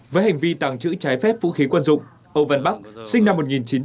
với hành vi tàng trữ trái phép vũ khí quân dụng âu văn bắc sinh năm một nghìn chín trăm tám mươi